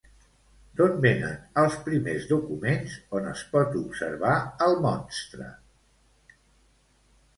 D'on venen els primers documents on es pot observar el monstre?